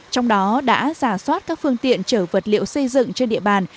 trong đó đã giả soát các phương tiện chở vật liệu xây dựng trên địa bàn